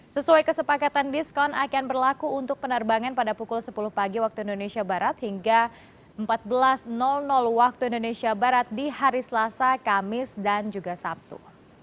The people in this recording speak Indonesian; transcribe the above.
sesuai kesepakatan diskon akan berlaku untuk penerbangan pada pukul sepuluh pagi waktu indonesia barat hingga empat belas waktu indonesia barat di hari selasa kamis dan juga sabtu